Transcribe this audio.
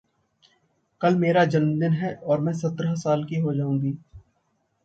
कल मेरा जन्मदिन है, और मैं सत्रह साल की हो जाऊँगी।